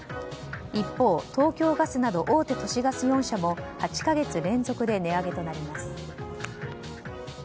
一方、東京ガスなど大手都市ガス４社も８か月連続で値上げとなります。